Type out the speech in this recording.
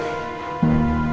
saya bakal pergi dari sini